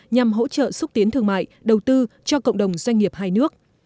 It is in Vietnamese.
nhằm hỗ trợ xúc tiến thương mại đầu tư cho cộng đồng doanh nghiệp hai nước